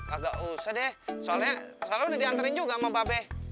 agak usah deh soalnya selalu diantarin juga sama mbak b